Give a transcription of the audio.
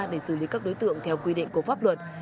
để xử lý các đối tượng theo quy định của pháp luật